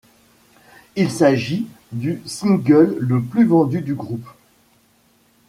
Il s'agit du single le plus vendu du groupe.